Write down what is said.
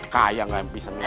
kayak ga yang bisa mikir aja